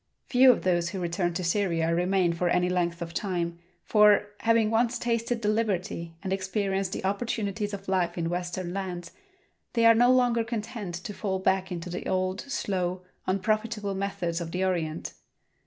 Few of those who return to Syria remain for any length of time, for, having once tasted the liberty and experienced the opportunities of life in western lands, they are no longer content to fall back into the old, slow, unprofitable methods of the Orient.